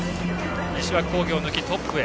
西脇工業を抜きトップへ。